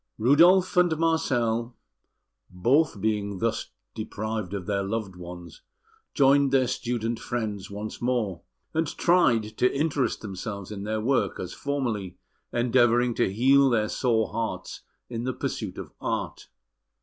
Rudolf and Marcel, both being thus deprived of their loved ones, joined their student friends once more, and tried to interest themselves in their work as formerly, endeavouring to heal their sore hearts in the pursuit of art.